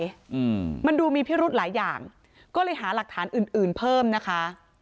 อืมมันดูมีพิรุธหลายอย่างก็เลยหาหลักฐานอื่นอื่นเพิ่มนะคะ